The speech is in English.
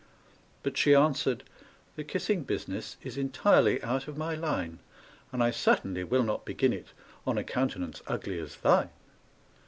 But she answered, "The kissing business Is entirely out of my line; And I certainly will not begin it On a countenance ugly as thine!"